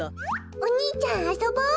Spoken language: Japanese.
お兄ちゃんあそぼ。